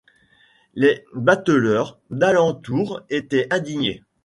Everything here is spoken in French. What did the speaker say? Les bateleurs d’alentour étaient indignés.